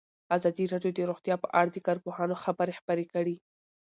ازادي راډیو د روغتیا په اړه د کارپوهانو خبرې خپرې کړي.